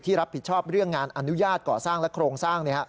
รับผิดชอบเรื่องงานอนุญาตก่อสร้างและโครงสร้าง